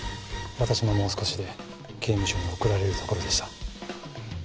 私ももう少しで刑務所に送られるところでした。